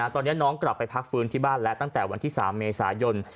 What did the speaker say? ตอนนี้น้องกลับไปพักฟื้นที่บ้านแล้วตั้งแต่วันที่๓เมษายน